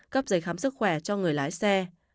cấp giấy khám sức khỏe cho người lái xe